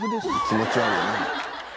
気持ち悪いな。